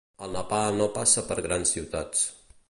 Al Nepal no passa per grans ciutats.